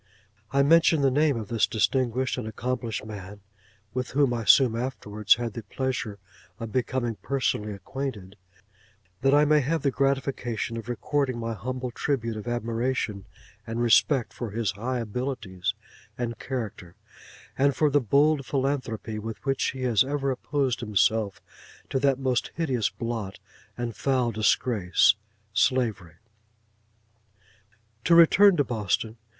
I mention the name of this distinguished and accomplished man (with whom I soon afterwards had the pleasure of becoming personally acquainted), that I may have the gratification of recording my humble tribute of admiration and respect for his high abilities and character; and for the bold philanthropy with which he has ever opposed himself to that most hideous blot and foul disgrace—Slavery. To return to Boston.